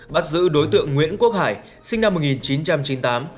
bắt giữ đối tượng nguyễn quốc hải sinh năm một nghìn chín trăm chín mươi tám